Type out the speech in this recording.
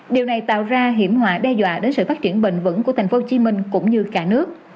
điều này tạo ra hiểm họa đe dọa đến sự phát triển bền vững của tp hcm cũng như cả nước